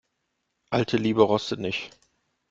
Alte Liebe rostet nicht.